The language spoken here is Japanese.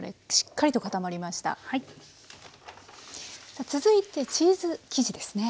さあ続いてチーズ生地ですね。